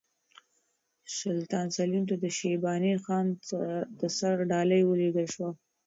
سلطان سلیم ته د شیباني خان د سر ډالۍ ولېږل شوه.